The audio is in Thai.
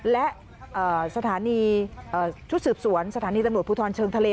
และสถานีชุดสืบสวนสถานีตำรวจภูทรเชิงทะเล